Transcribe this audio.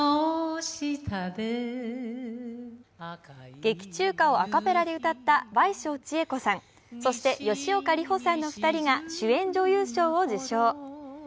劇中歌をアカペラで歌った倍賞千恵子さん、そして吉岡里帆さんの２人が主演女優賞を受賞。